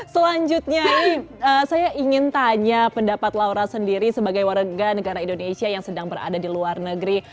selanjutnya saya ingin tanya pendapat laura sendiri sebagai warga negara indonesia yang sedang berada di luar negeri